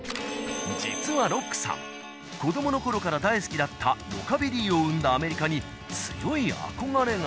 実はロックさん子供のころから大好きだったロカビリーを生んだアメリカに強い憧れが。